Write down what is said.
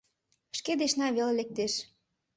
Шке дечна вел лектеш...